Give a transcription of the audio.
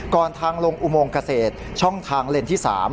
ทางลงอุโมงเกษตรช่องทางเลนที่๓